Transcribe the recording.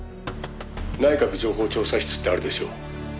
「内閣情報調査室ってあるでしょ？」